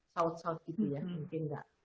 saud saud gitu ya mungkin gak